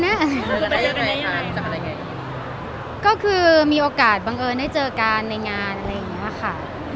จากก็คือมีโอกาสบังเอิญได้เจอกันละยังก็ค่ะ